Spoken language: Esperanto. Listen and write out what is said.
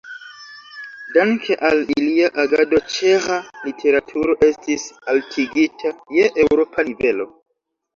Danke al ilia agado ĉeĥa literaturo estis altigita je eŭropa nivelo.